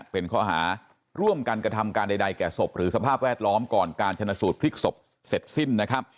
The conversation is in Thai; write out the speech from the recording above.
เป็นข้อหาร่วมกันกระทำการใดแก่ศพหรือสภาพแวดล้อมก่อนการชนะสูตรพลิกศพเสร็จสิ้นนะครับ